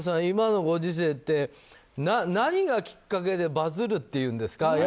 今のご時世って何がきっかけでバズるっていうんですか。